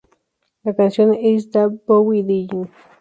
La canción "Is David Bowie Dying?